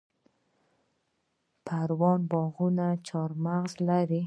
د پروان باغونه چهارمغز لري.